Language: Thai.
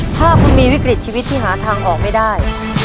ถ้าคุณมีวิกฤตชีวิตที่หาทางออกไม่ได้